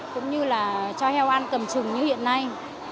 cũng như là cho heo ăn cầm chừng như hiện nay